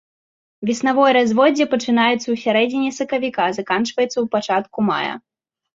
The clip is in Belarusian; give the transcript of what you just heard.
Веснавое разводдзе пачынаецца ў сярэдзіне сакавіка, заканчваецца ў пачатку мая.